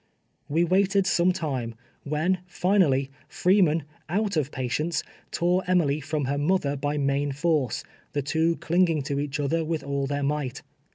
"We waited some time, when, finally. Free man, out of i^atience, tore Emily from her mother by main force, the tvv'o clinging to each other with all their might.